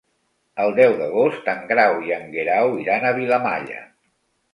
El deu d'agost en Grau i en Guerau iran a Vilamalla.